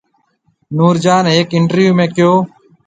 نور جهان هيڪ انٽرويو ۾ ڪهيو